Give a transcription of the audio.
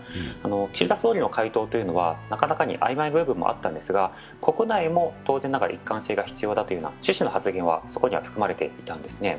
岸田総理の回答というのは、なかなかにあいまいな部分もあったんですが国内も当然ながら一貫性が必要だという趣旨の発言は、そこには含まれていたんですね。